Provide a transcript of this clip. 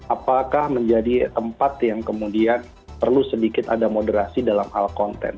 apakah menjadi tempat yang kemudian perlu sedikit ada moderasi dalam hal konten